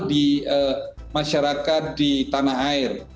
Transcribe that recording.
di masyarakat di tanah air